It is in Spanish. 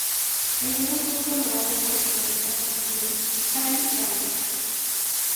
El libro fue prologado por el poeta salteño, Jaime Dávalos.